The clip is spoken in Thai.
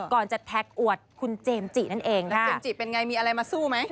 ก่อนจะแท็กอวดคุณเจมส์จินั่นเองนะเจมส์จิเป็นไงมีอะไรมาสู้ไหม